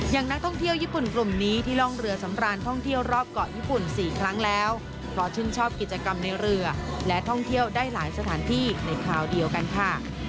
อย่างนักท่องเที่ยวญี่ปุ่นกลุ่มนี้ที่ร่องเรือสำราญท่องเที่ยวรอบเกาะญี่ปุ่น๔ครั้งแล้วเพราะชื่นชอบกิจกรรมในเรือและท่องเที่ยวได้หลายสถานที่ในคราวเดียวกันค่ะ